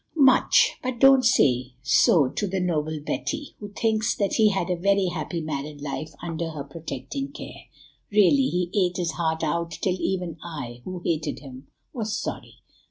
"Much; but don't say so to the noble Betty, who thinks that he had a very happy married life under her protecting care. Really, he ate his heart out till even I, who hated him, was sorry.